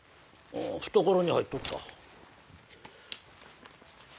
懐に入っとった。